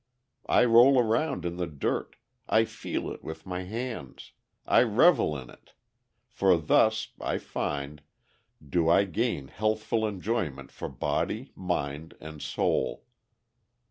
I roll around in the dirt, I feel it with my hands, I revel in it, for thus, I find, do I gain healthful enjoyment for body, mind, and soul.